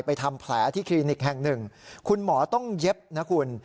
ทำแผลที่คลินิกแห่งหนึ่งคุณหมอต้องเย็บนะคุณ